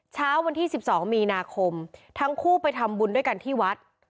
เช้าวันที่๑๒มีนาคมทั้งคู่ไปทำบุญด้วยกันที่วัด